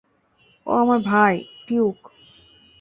ও আমার ভাই, টিউক।